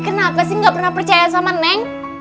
kenapa sih nggak pernah percaya sama neng